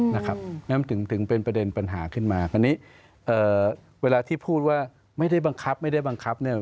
นั่นถึงเป็นประเด็นปัญหาขึ้นมาอันนี้เวลาที่พูดว่าไม่ได้บังคับ